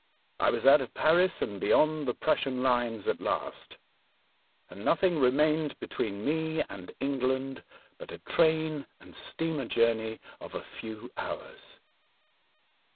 I was out o£ Paris and beyond the Prussian lines at last,, and nothing remained between me and Eng land but a train and steamer journey of a few hours.